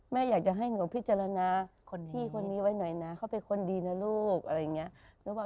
แม่อยากจะให้หนูพิจารณาคนที่คนนี้ไว้หน่อยนะเขาเป็นคนดีนะลูกอะไรอย่างนี้